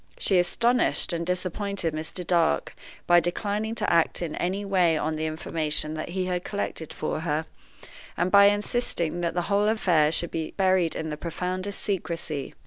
She astonished and disappointed Mr. Dark by declining to act in any way on the information that he had collected for her, and by insisting that the whole affair should still be buried in the profoundest secrecy.